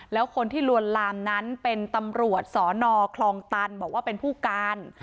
แล้วคนที่ลวนลามนั้นเป็นตำรวจสนคลองตันบอกว่าเป็นผู้การ